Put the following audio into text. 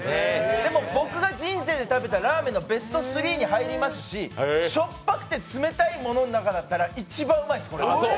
でも僕が人生で食べたラーメンのベスト３に入りますししょっぱくて冷たいものの中だったら一番うまいっす。